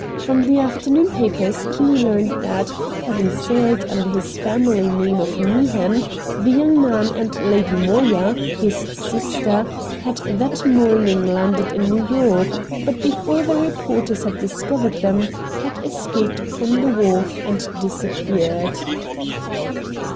From the afternoon papers Kinney learned that, having sailed under his family name of Meehan, the young man and Lady Moya, his sister, had that morning landed in New York, but before the reporters had discovered them, had escaped from the wharf and disappeared.